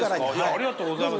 ありがとうございます。